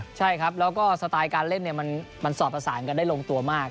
ใช่ครับแล้วก็สไตล์การเล่นมันสอดประสานกันได้ลงตัวมาก